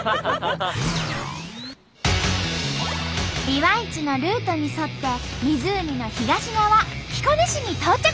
ビワイチのルートに沿って湖の東側彦根市に到着。